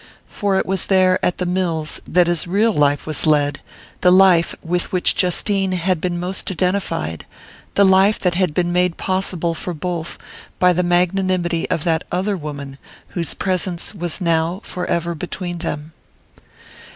For it was there, at the mills, that his real life was led, the life with which Justine had been most identified, the life that had been made possible for both by the magnanimity of that other woman whose presence was now forever between them.